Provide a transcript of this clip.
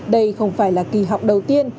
đây không phải là kỳ học đầu tiên